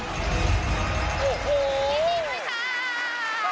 ยินดีครับ